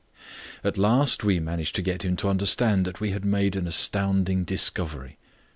At last we managed to get him to understand that we had made an astounding discovery.